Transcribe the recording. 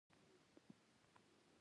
خپرونې کوي، غزونې کوي او معاشونه اخلي.